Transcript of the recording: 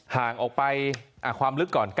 ห่างออกไปความลึกก่อน